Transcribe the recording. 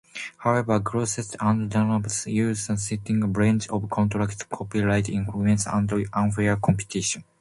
However, Grosset and Dunlap sued, citing "breach of contract, copyright infringement, and unfair competition".